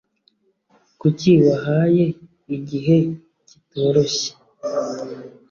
Kuki wahaye igihe kitoroshye?